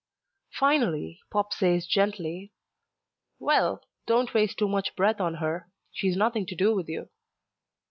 Finally Pop says gently, "Well, don't waste too much breath on her. She's nothing to do with you."